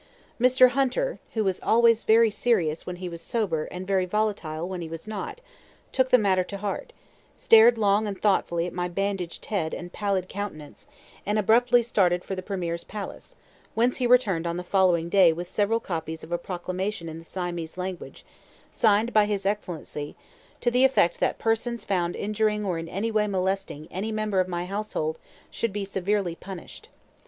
Mr. Hunter, who was always very serious when he was sober and very volatile when he was not, took the matter to heart, stared long and thoughtfully at my bandaged head and pallid countenance, and abruptly started for the premier's palace, whence he returned on the following day with several copies of a proclamation in the Siamese language, signed by his Excellency, to the effect that persons found injuring or in any way molesting any member of my household should be severely punished.